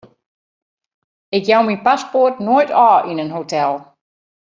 Ik jou myn paspoart noait ôf yn in hotel.